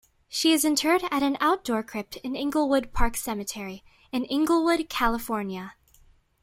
She is interred in an outdoor crypt at Inglewood Park Cemetery in Inglewood, California.